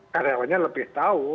karyawannya lebih tahu